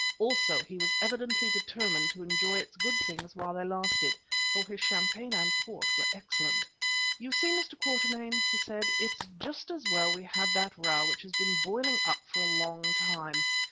Also he was evidently determined to enjoy its good things while they lasted, for his champagne and port were excellent. "You see, Mr. Quatermain," he said, "it's just as well we had the row which has been boiling up for a long while.